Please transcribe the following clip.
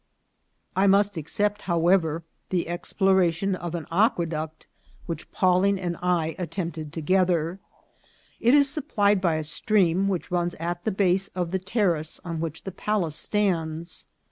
I must except, however, the exploration of an aque duct which Pawling and I attempted together. It is supplied by a stream which runs at the base of the ter race on which the palace stands.